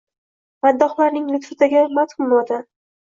Maddohlarning lutfidagi madhmi Vatan?